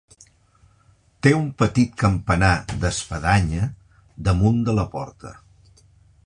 Té un petit campanar d'espadanya damunt de la porta.